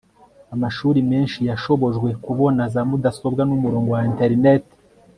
amashuri menshi yashobojwe kubona za mudasobwa n'umurongo wa internet